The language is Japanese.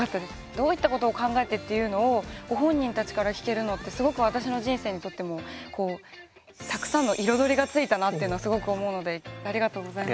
どういったことを考えてっていうのをご本人たちから聞けるのってすごく私の人生にとってもこうたくさんの彩りがついたなっていうのはすごく思うのでありがとうございます。